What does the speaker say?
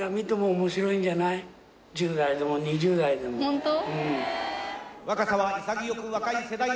「ホント？」